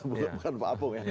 bukan apa apa ya